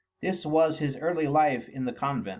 This was his early life in the convent.